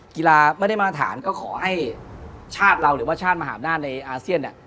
กีฬาไม่ได้มาตรฐานก็ขอให้ชาติเราหรือว่าชาติมหาอำนาจในอาเซียนเนี่ย